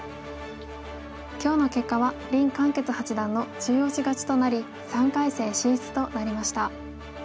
今日の結果は林漢傑八段の中落ち勝ちとなり３回戦進出となりました。